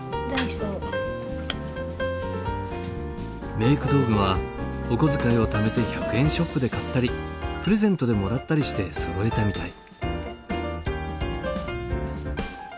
メーク道具はお小遣いをためて１００円ショップで買ったりプレゼントでもらったりしてそろえたみたい。